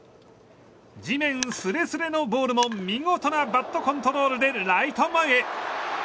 地面すれすれのボールも見事なバットコントロールでライト前へ。